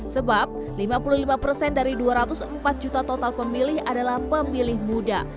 sebab lima puluh lima persen dari dua ratus empat juta total pemilih adalah pemilih muda